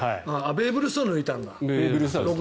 ベーブ・ルースを抜いたんだ。